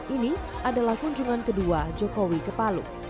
ini adalah kunjungan kedua jokowi ke palu